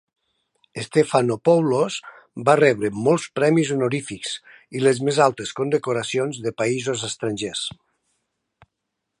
Stephanopoulos va rebre molts premis honorífics i les més altes condecoracions de països estrangers.